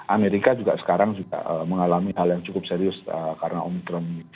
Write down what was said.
amerika juga sekarang mengalami hal yang cukup serius karena omikron ini